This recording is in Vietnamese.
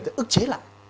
thì ức chế lại